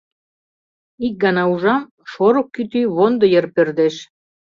— Ик гана ужам, шорык кӱтӱ вондо йыр пӧрдеш.